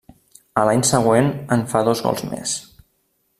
A l'any següent en fa dos gols més.